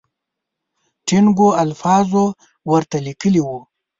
ټینګو الفاظو ورته لیکلي وو.